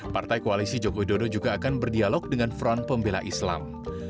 partai koalisi joko widodo juga akan berdialog dengan front pembela islam